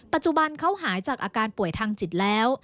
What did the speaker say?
ปัจจุบันเขาหายจากอาการป่วยทางจิตแล้ว